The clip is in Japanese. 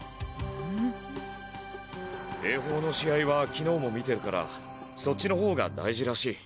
英邦の試合は昨日も見てるからそっちの方が大事らしい。